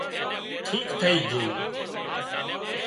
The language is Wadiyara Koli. ٺيڪ ٿئي جھئي